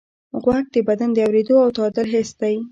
غوږ د بدن د اورېدو او تعادل حس دی.